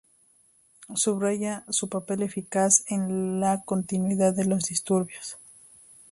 Subrayaba su papel eficaz en la continuidad de los disturbios.